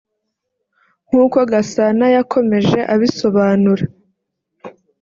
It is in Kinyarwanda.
nk’uko Gasana yakomeje abisobanura